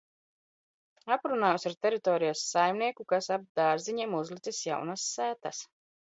Aprunājos ar teritorijas saimnieku, kas ap dārziņiem uzlicis jaunas sētas.